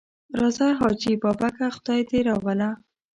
راځه حاجي بابکه خدای دې راوله.